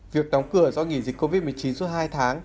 việc đóng cửa do nghỉ dịch covid một mươi chín suốt hai tháng